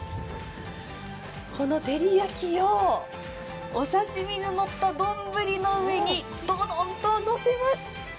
この照り焼きをお刺身ののった丼の上にどどんとのせます。